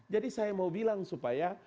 jadi saya mau bilang supaya